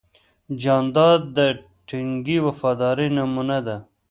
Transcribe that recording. جانداد د ټینګې وفادارۍ نمونه ده.